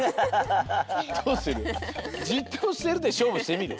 「じっとしてる」でしょうぶしてみる？